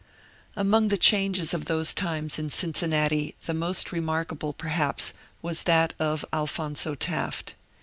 Among the changes of those times in Cincinnati the most remarkable, perhaps, was that of Alphonzo Taft.